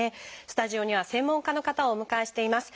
スタジオには専門家の方をお迎えしています。